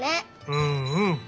うんうん！